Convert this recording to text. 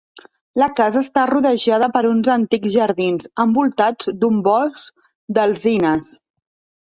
La casa està rodejada per uns antics jardins, envoltats d'un bosc d'alzines.